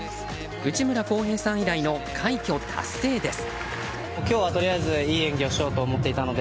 内村航平さん以来の快挙達成です。